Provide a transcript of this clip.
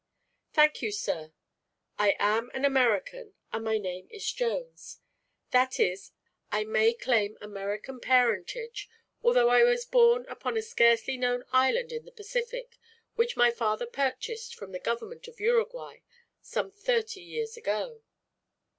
"Thank you, sir. I am an American, and my name is Jones. That is, I may claim American parentage, although I was born upon a scarcely known island in the Pacific which my father purchased from the government of Uruguay some thirty years ago."